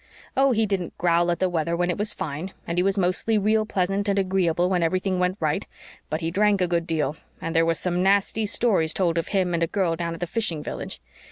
Oh, he didn't growl at the weather when it was fine, and he was mostly real pleasant and agreeable when everything went right. But he drank a good deal, and there were some nasty stories told of him and a girl down at the fishing village.